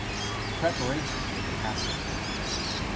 PREPARATION FOR THE PASSOVER.